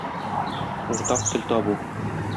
Уртак тел табу.